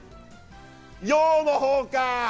洋のほうか！